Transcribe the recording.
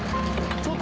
ちょっと！